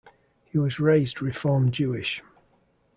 He was raised Reform Jewish.